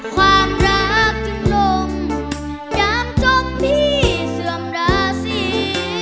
ความรักจึงลงยามจบที่เสื่อมราศี